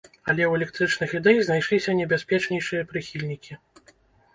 Але ў электрычных ідэй знайшліся небяспечнейшыя прыхільнікі.